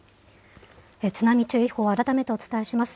津波注意報を改めてお伝えします。